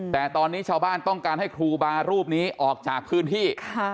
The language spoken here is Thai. แต่ตอนนี้ชาวบ้านต้องการให้ครูบารูปนี้ออกจากพื้นที่